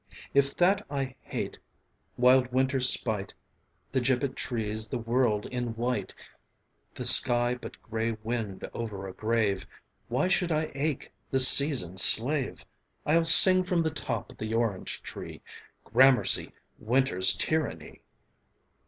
If that I hate wild winter's spite The gibbet trees, the world in white, The sky but gray wind over a grave Why should I ache, the season's slave? I'll sing from the top of the orange tree `Gramercy, winter's tyranny.'